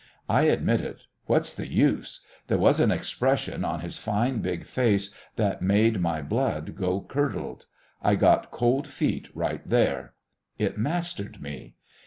I admit it. What's the use? There was an expression on his fine big face that made my blood go curdled. I got cold feet right there. It mastered me.